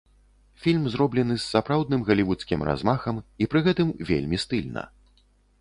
Фільм зроблены з сапраўдным галівудскім размахам і пры гэтым вельмі стыльна.